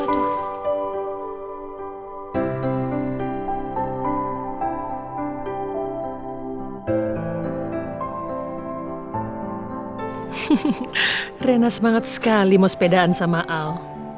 hih rena semangat sekali mau sepedaan sama al